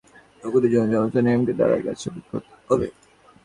ইনি যতক্ষণ আছেন ততক্ষণ জগতের অন্য সমস্ত নিয়মকে দ্বারের কাছে অপেক্ষা করতে হবে।